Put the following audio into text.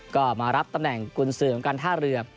ก็มารับตำแหน่งกุญสือของการท่าเรือ